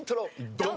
ドン！